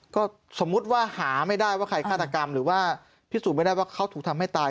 ก็สมมุติว่าหาไม่ได้ว่าใครฆาตกรรมหรือว่าพิสูจน์ไม่ได้ว่าเขาถูกทำให้ตาย